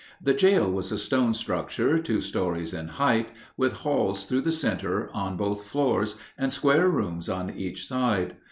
The jail was a stone structure, two stories in height, with halls through the center on both floors and square rooms on each side.